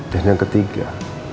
dan yang ketiga